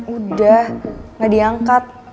udah ga diangkat